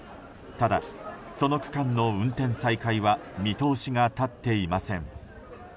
ただ、その区間の運転再開は見通しが立っていません。